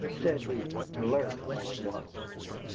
said he, alert all at once.